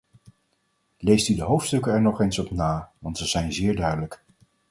Leest u de hoofdstukken er nog eens op na, want ze zijn zeer duidelijk.